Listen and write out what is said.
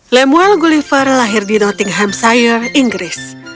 lemuel gulliver lahir di nottinghamshire inggris